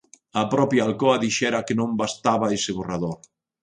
A propia Alcoa dixera que non bastaba ese borrador.